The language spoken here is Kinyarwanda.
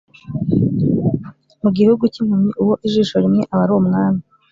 Mu gihugu cy’impumyi uwo ijisho rimwe aba ari umwami.